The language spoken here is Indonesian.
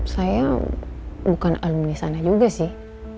saya bukan alum disana juga sih